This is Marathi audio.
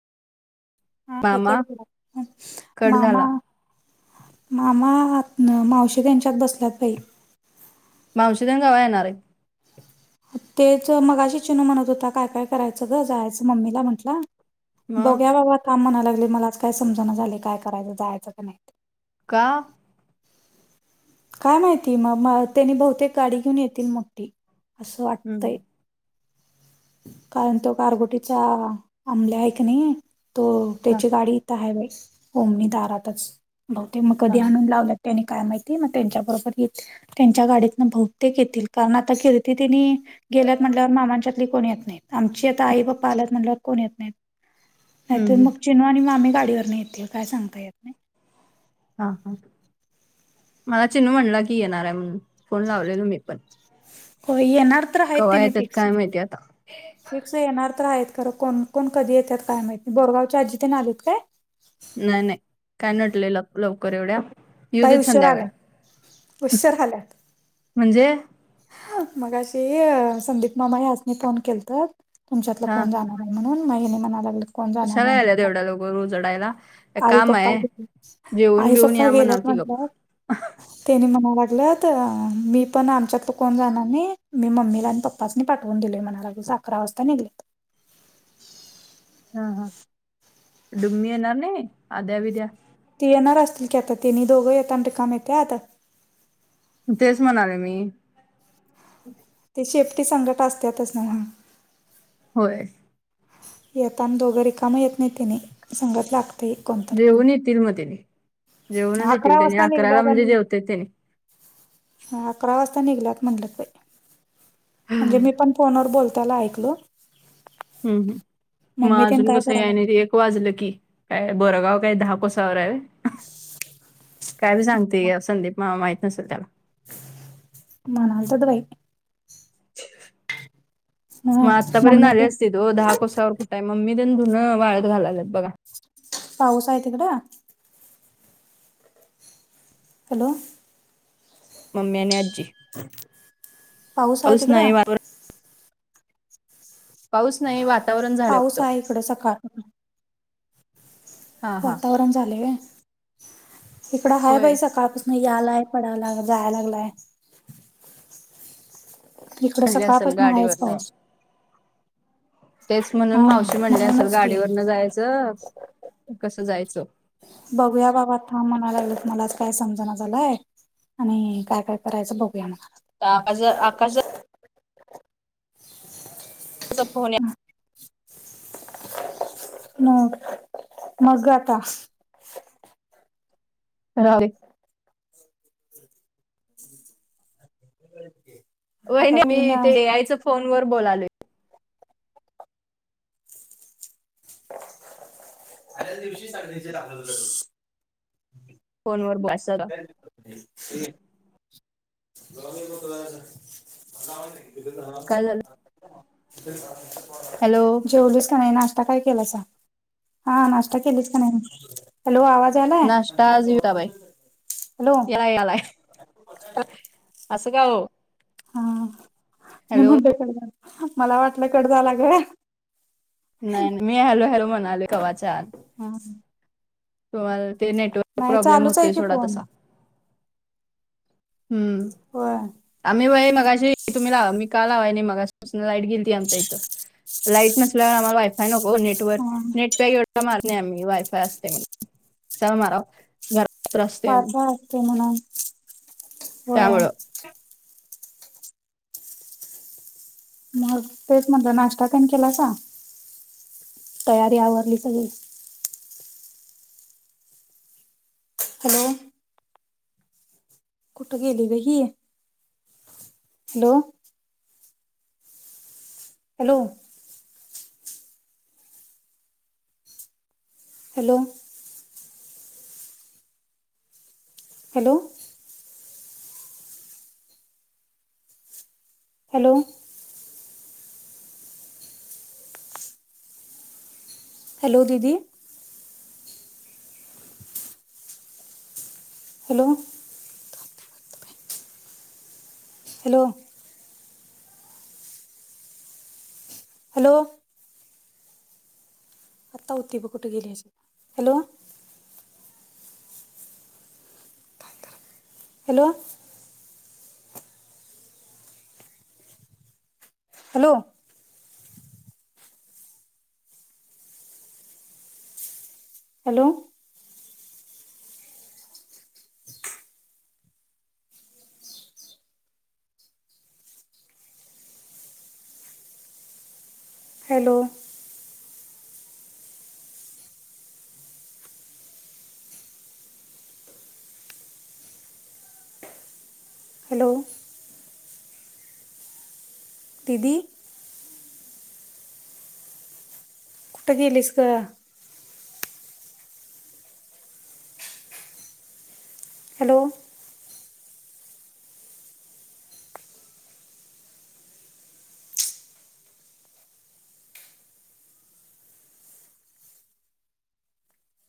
मामा हाकड कट मामा झाला मामा मावशी त्यांच्यात बसलात भाई मावशी तेन कवा येणारे आहेत. तेच मगाशि चिनू म्हणत होता काय काय करायचं ग जायचं मम्मीला म्हटलं. मग बघूया बाबा थांब म्हणाय लागले मला आज काय समजण झाल काय करायचं जायचं का नाही. का काय माहिती मग म त्यांनी बहुतेक गाडी घेऊन येतील मोठी असं वाट. [unintelligible] कारण तो गार गोटीच्या आंमल्या आहे की नाही. तो हा, त्याची गाडी इथं ह व ओममी दारातच बघ ते मग हा, कधी आणून लावले. त्यांनी काय माहिती मग त्यांच्या बरोबर येत. त्यांच्या गाडीतन बहुतेक येतील कारण आता किर्ती तिनी गेल्यात म्हटल्यावर मामांच्या येत नाही आमचे आता आई बाबा आलात म्हणल्या वर कोण येत नाहीत नाहीतर हम्म, मग चिनू आणि मग आ्ही गाडीवर न येतील काय सांगता येत नाही. हा हा मला चिननू म्हणला की येणार आहे म्हणून फोन लावलेलो मी पण होय येणारत आहे ते केव्हा नाही येतात फिक्स काय माहिती आता फिक्स येणार तर आहेत खरं कोण कोण कधी येतात काय माहिती बोरगावच्या आजीथे ना आलेत काय? नाही नाही काय नटलंय ल लवकर एवढ्या येऊ बाई देत उशीर आल्या संध्याकाली उशीर आल्या म्हणजे मगाशी संदीप मामा ह्याचनी फोन केल तर तुमच्यातलं हा कोण जाणार म्हणून महि म्हणालागली कशाला यायला तेवढ्या लोकं र उजडायला आई काम पप्पा आहे गेले. जेऊन आई बेऊन पप्पा या म गेल्यात नव्हती गप म्हटलं तेनी म्हणा लागलंत मी पण आमच्यात ल कोणी जाणार नाही मी मम्मीला आणि पप् तास पाठवून दिलेय म्हणालागे अकरा वाजता निघलेत. हा हा डुम्मी येणार नाही आद्या ब द्या ती येणार असतील की आता ति दोघं येत र काम येते आता तेच म्हणाले मी ते शेफ्टी संगट असतातच ना ह होय येताना दोघं रिकम येत नाही त्याने संांगातला. जेऊन येतील मग त्याने जेऊनच येतील अकरा त्यानी वाजता अकराला निघल्यात म्हणजे आणि जेवते त्यानी अकरा वाजता निघलात म्हटलं. म्हणजे मी पण फोनवर बोलताय ऐकलो. हम् हम् मम्मी मग तेन अजून काय कसं या करायल्यात नाही एक वाजलं की काय बोरगाव काय दहा कोसावर आहे. काय बी सांगते संदीप माहित नसेल त्याला माणाल तर द बाई. मग हं आतापर्यंत मम्मी आले तेन असतील. दो दहा कोसावर कुठं आहे मम्मी ते धून वाळत घालालात बघा. पाऊस आहे तिकड हॅलो मम्मी नाही आज्जी पाऊस आहे तिकडं पाऊस नाही वातावरण झालं फक्त. पाऊस आहे इकडं सकाळ हां, हां. वातावरण झाले इकडं हाय होय. बाई सकाळ म यालाय पडायला लाग जायला लागलाय. इकड म्हणले सकाळ असेल पासन आहेच गाडीवरनं. पाऊस. तेच म्हणून हा मावशी म्हणली असल म्हणूनच की गाडीवरन जायच कस जायच. बघूया बाबा थाम म्हणा लागलत मला काय समजणा झालय आणि काय काय करायच बघूया मग. का आकाश आकाश त्याचा फोन नो मग आता राहु दे. आता वाहिनी मी तीन ते आईच फोन वर बोलाले. [unintelligible] फोन वर बसत हे घे. [unintelligible] काय झालं? [unintelligible] हॅलो जेवलीच का नाही नाश्ता काय केलासा. हा नाश्ता केलीच का नाही. हॅलो आवाज यायला. नाश्ता जवता बाई हॅलो याला यालाय असं का हो हा मी हॅलो म्हणते कट झाला. मला वाटल कट झाला काय. नाही नाही मी हॅलो हॅलो म्हणाले कवाचान हा हा तुम्हाला ते नेटवर्क प्रॉब्लेम चालूच आहे होतोय की सोडा फोन तसा. हम्म व्हय आम्ही ब मगाशी तुम्ही लावा मी का लावाय नयी मघासपासन लाईट गेलीती आमच्या इथ. लाईट नसल्यावर आम्हाला वायफाय नको नेटवर हा नेटपॅक एवढा मारत नाही आम्ही वायफाय असतय म्हणून. चल माराव घर पाठवा ते म्हण व्हय. त्यामुळं मग तेच म्हटलं नाश्ता पण केला सा. तयारी आवरली सगळी. हॅलो कुठ गेली ग ही. Hello hello hello hello hello hello दिदी हॅलो हॅलो हॅलो आत्ता होती बघ कुठे गेली असेल hello. Hello hello hello. Hello. Hello. दिदी. कुठं गेलीस ग. हॅलो.